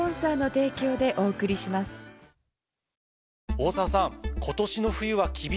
大沢さん。